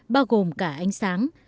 bao gồm cả anh chàng